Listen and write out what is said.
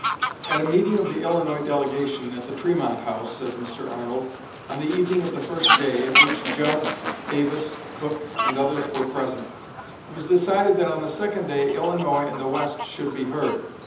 "At a meeting of the Illinois delegation at the Tremont House," says Mr. Arnold, "on the evening of the first day, at which Judd, Davis, Cook and others were present, it was decided that on the second day Illinois and the West should be heard.